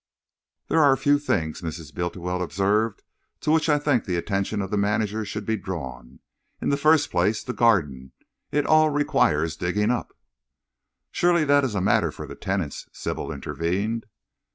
"There are a few things," Mrs. Bultiwell observed, "to which I think the attention of the manager should be drawn. In the first place, the garden. It all requires digging up." "Surely that is a matter for the tenants," Sybil intervened.